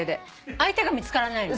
相手が見つからないの？